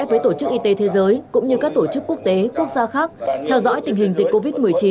với tổ chức y tế thế giới cũng như các tổ chức quốc tế quốc gia khác theo dõi tình hình dịch covid một mươi chín